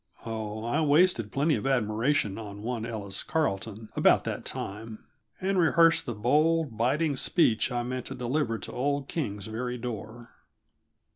Oh, I wasted plenty of admiration on one Ellis Carleton about that time, and rehearsed the bold, biting speech I meant to deliver at old King's very door.